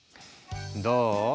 どう？